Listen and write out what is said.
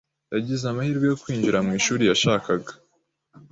Yagize amahirwe yo kwinjira mwishuri yashakaga.